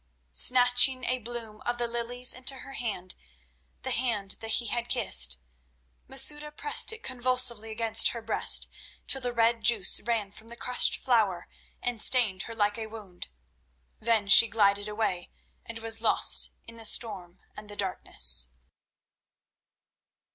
Snatching a bloom of the lilies into her hand, the hand that he had kissed, Masouda pressed it convulsively against her breast, till the red juice ran from the crushed flower and stained her like a wound. Then she glided away, and was lost in the storm and the darkness.